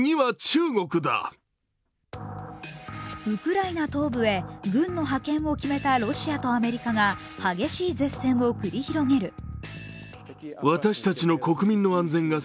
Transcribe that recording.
ウクライナ東部へ軍の派遣を決めたロシアとアメリカが激しい舌戦を繰り広げる。